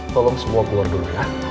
tolong semua keluar dulu ya